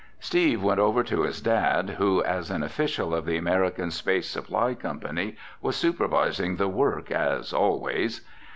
Steve went over to his dad who, as an official of the American Space Supply Company, was supervising the work as always.